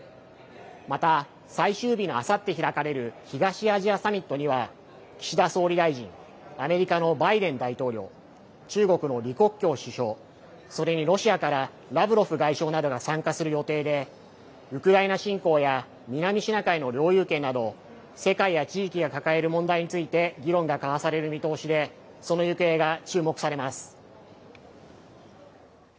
また、最終日のあさって開かれる東アジアサミットには、岸田総理大臣、アメリカのバイデン大統領、中国の李克強首相、それにロシアからラブロフ外相などが参加する予定で、ウクライナ侵攻や南シナ海の領有権など、世界や地域が抱える問題について議論が交わされる見通しで、その行方が注目されます。